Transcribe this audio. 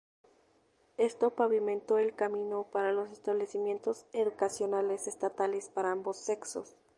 Esto pavimentó el camino para los establecimientos educacionales estatales para ambos sexos.